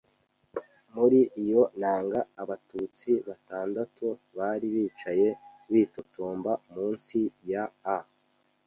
muri iyo nanga. Abatutsi batandatu bari bicaye bitotomba munsi ya a